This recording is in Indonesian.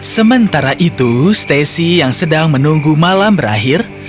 sementara itu stacy yang sedang menunggu malam berakhir